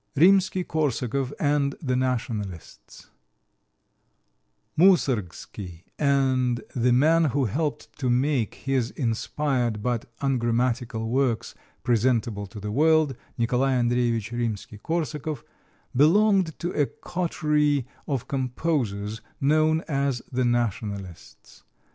Rimsky Korsakov and the Nationalists Moussorgsky and the man who helped to make his inspired but ungrammatical works presentable to the world Nicholas Andreievich Rimsky Korsakov belonged to a coterie of composers known as the nationalists.